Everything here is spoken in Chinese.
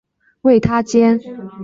为她煎中药